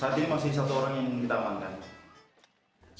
saat ini masih satu orang yang ditamankan